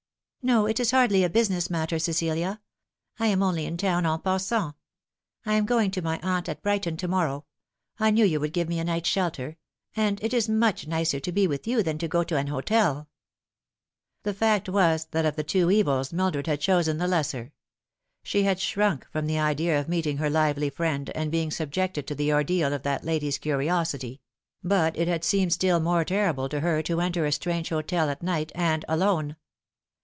" No, it is hardly a business matter, Cecilia. I am only in town en passant. I am going to my aunt at Brighton to niorrow. I knew you would give me a night's shelter ; and it is much nicer to be with you than to go to an hotel." The fact was, that of two evils Mildred had chosen the lesser. She had shrunk from the idea of meeting her lively friend, and being subjected to the ordeal of that lady's curiosity; but it had seemed still more terrible to her to enter a strange The Verdict of her Church. 158 hotel at night, and alone.